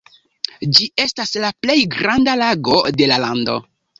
Ĝi estas la plej granda lago de la lando.